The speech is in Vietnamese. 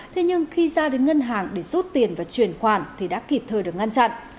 thế nhưng khi ra đến ngân hàng để rút tiền và chuyển khoản thì đã kịp thời được ngăn chặn